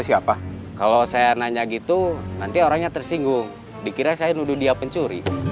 siapa kalau saya nanya gitu nanti orangnya tersinggung dikira saya nuduh dia pencuri